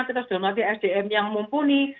kita sudah mati sdm yang mumpuni